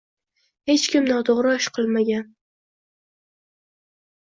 Hech kim noto‘g‘ri ish qilmagan